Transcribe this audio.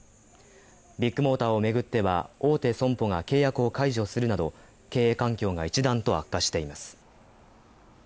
ビッグモーターを巡っては大手損保が契約を解除するなど経営環境が一段と悪化しています。